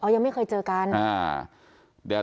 ยังไม่เคยเจอกัน